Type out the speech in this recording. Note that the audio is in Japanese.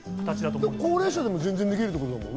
高齢者でもできるってことだもんね。